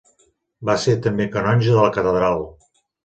Va ser també canonge de la Catedral.